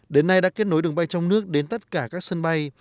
đến nay đã kết nối đường bay trong nước đến tất cả các sân bay